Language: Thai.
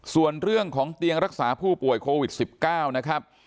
ส่วนเรื่องของเตียงรักษาผู้ป่วยโควิด๑๙นะครับ